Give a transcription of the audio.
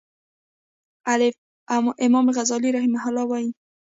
الف : امام غزالی رحمه الله وایی